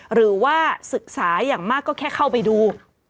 หรือว่าศึกษาอย่างมากก็แค่เข้าไปดู